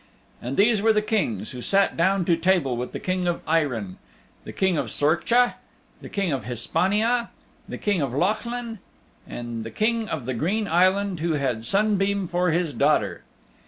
And these were the Kings who sat down to table with the King of Eirinn: the King of Sorcha, the King of Hispania, the King of Lochlinn and the King of the Green Island who had Sunbeam for his daughter.